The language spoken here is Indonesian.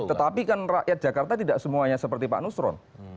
tetapi kan rakyat jakarta tidak semuanya seperti pak nusron